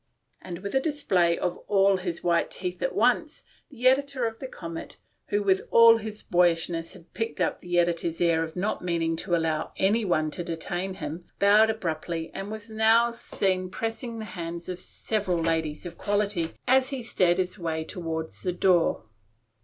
And with a display of all his white teeth at once, the editor of the Comet, who with all 104 THE STORY OF A MODERN WOMAN. his boyishness had picked up the editor's air of not meaning to allow anyone to detain him, bowed abruptly and was now seen pressing the hands of several ladies of quality as he steered his way toward the door.